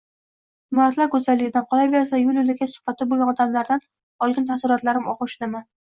imoratlar goʻzalligidan, qolaversa, yoʻl-yoʻlakay suhbatda boʻlgan odamlardan olgan taassurotlarim ogʻushidaman.